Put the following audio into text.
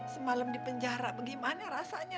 semalem di penjara gimana rasanya